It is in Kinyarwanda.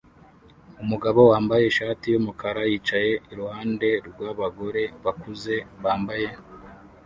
Umugabo wambaye ishati yumukara yicaye iruhande rwabagore bakuze bambaye